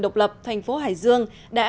độc lập thành phố hải dương đã